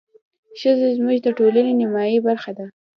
ښځې زموږ د ټولنې نيمايي برخه ده.